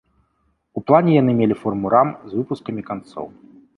У плане яны мелі форму рам з выпускамі канцоў.